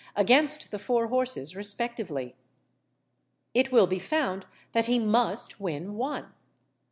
_, against the four horses respectively; it will be found that he must win 1_l.